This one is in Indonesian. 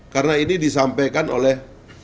karena ini disampaikan oleh